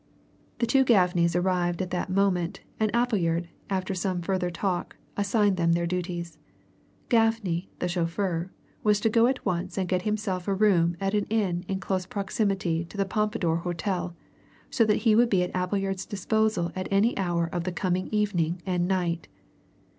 The two Gaffneys arrived at that moment and Appleyard, after some further talk, assigned them their duties. Gaffney, the chauffeur, was to go at once and get himself a room at an inn in close proximity to the Pompadour Hotel, so that he would be at Appleyard's disposal at any hour of the coming evening and night.